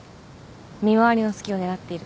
見回りの隙を狙っている。